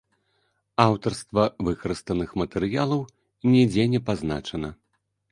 Аўтарства выкарыстаных матэрыялаў нідзе не пазначана.